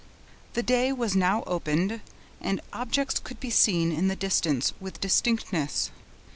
The day was now opened, and objects could be seen in the distance, with distinctness.